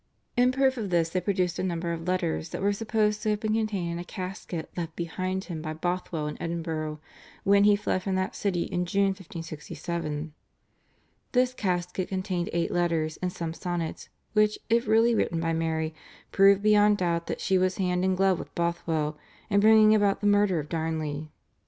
In proof of this they produced a number of letters that were supposed to have been contained in a casket left behind him by Bothwell in Edinburgh, when he fled from that city in June 1567. This casket contained eight letters and some sonnets, which, if really written by Mary, proved beyond doubt that she was hand in glove with Bothwell in bringing about the murder of Darnley.